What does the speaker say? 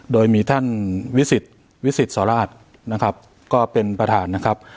โดยมีท่านวิสิตวิสิตสราชนะครับก็เป็นประธานนะครับ